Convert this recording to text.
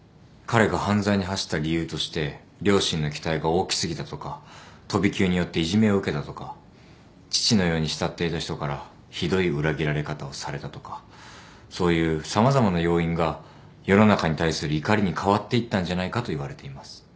彼が犯罪に走った理由として両親の期待が大き過ぎたとか飛び級によっていじめを受けたとか父のように慕っていた人からひどい裏切られ方をされたとかそういう様々な要因が世の中に対する怒りに変わっていったんじゃないかといわれています。